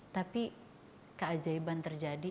tapi keajaiban terjadi